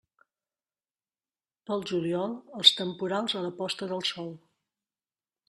Pel juliol, els temporals a la posta del sol.